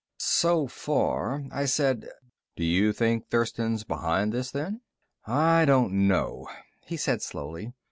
"So far," I said. "Do you think Thurston's behind this, then?" "I don't know," he said slowly.